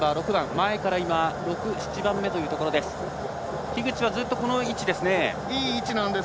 前から今、７番目というところです。